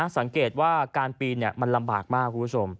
สังเกตว่าการปีนมันลำบากมาก